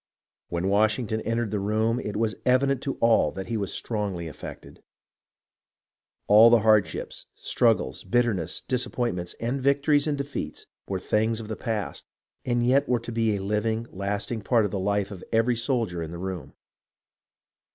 When Washington entered the room, it was evident to all that he was strongly affected. All the hardships, struggles, bitterness, disappointments, and victories and defeats were things of the past, and yet were to be a living, lasting part of the life of every soldier in the room.